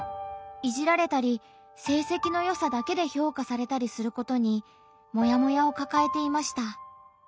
いじられたり成績のよさだけで評価されたりすることにモヤモヤをかかえていました。